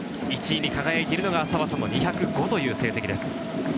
１位に輝いているのが澤さんの２０５という成績です。